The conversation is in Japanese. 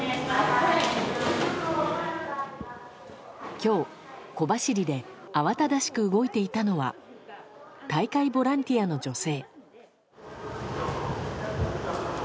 今日、小走りで慌ただしく動いていたのは大会ボランティアの女性。